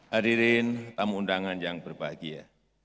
hadirin tamu undangan yang berbahagia